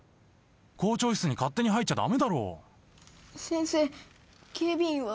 校長室に勝手に入っちゃダメだろう先生警備員は？